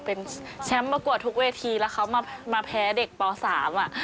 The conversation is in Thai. เป็นแชมป์ประกวดทุกเวทีแล้วเขามาแพ้เด็กป๓อ่ะ